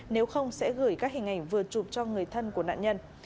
nếu không sẽ gửi các hình ảnh vừa chụp cho người thân của nạn nhân